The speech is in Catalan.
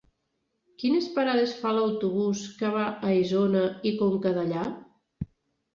Quines parades fa l'autobús que va a Isona i Conca Dellà?